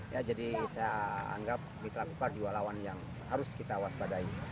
ya jadi saya anggap mitra kukar juga lawan yang harus kita waspadai